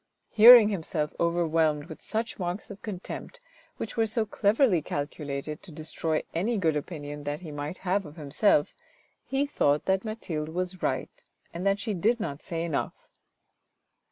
Hearing himself overwhelmed with such marks of contempt which were so cleverly calculated to destroy any good opinion that he might have of himself, he thought that Mathilde was right, and that she did not say enough.